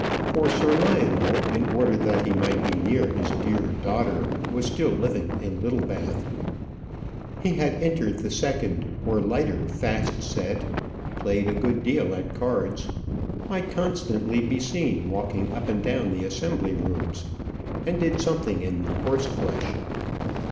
For Sir Lionel, in order that he might be near his dear daughter, was still living in Littlebath. He had entered the second, or lighter fast set, played a good deal at cards, might constantly be seen walking up and down the assembly rooms, and did something in horse flesh.